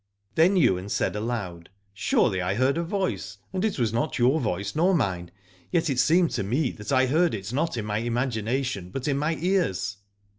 Then Ywain said aloud: Surely I heard a voice and it was not your voice nor mine, yet it seemed to me that I heard it not in my imagination but in my ears.